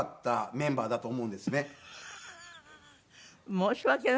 申し訳ないわ。